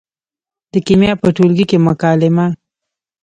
د کیمیا په ټولګي کې مکالمه